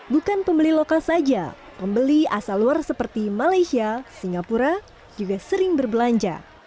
bukan pembeli lokal saja pembeli asal luar seperti malaysia singapura juga sering berbelanja